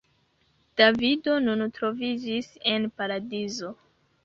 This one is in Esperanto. Davido nun troviĝis en Paradizo.